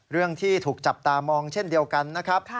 เรื่องที่ถูกจับตามองเช่นเดียวกันนะครับ